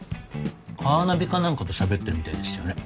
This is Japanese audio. カーナビか何かとしゃべってるみたいでしたよね。